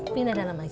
pindah dalam aja